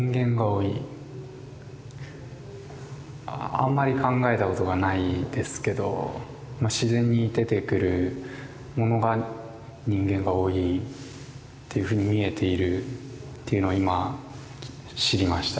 あんまり考えたことがないですけどま自然に出てくるものが人間が多いというふうに見えているというのを今知りました。